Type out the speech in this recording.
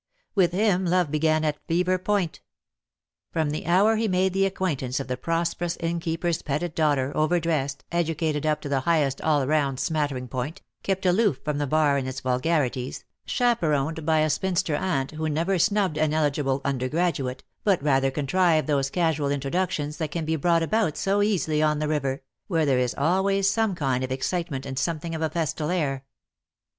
With him love began at fever point. From the hour he made the acquaintance of the prosperous Innkeeper's petted daughter overdressed, educated up to the highest all round smattering point, kept aloof from the bar and its vulgarities, DEAD LOV^E HAS CHAINS. 65 chaperoned by a spinster aunt who never snubbed an ehgible undergraduate, but rather contrived those casual introductions that can be brought about so easily on the river, where there is always some kind of excitement and something of a festal air.